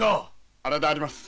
あれであります。